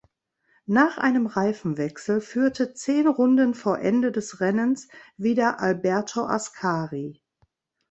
Nach einem Reifenwechsel führte zehn Runden vor Ende des Rennens wieder Alberto Ascari.